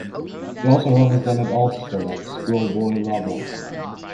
He also represented Ulster at schoolboy level.